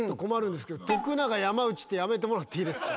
「徳永×山内」ってやめてもらっていいですか？